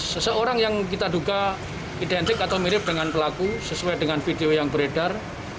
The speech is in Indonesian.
seseorang yang kita duga identik atau mirip dengan pelaku sesuai dengan video yang beredar